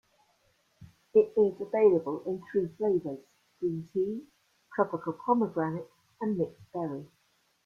It is available in three flavors: Green Tea, Tropical Pomegranate, and Mixed Berry.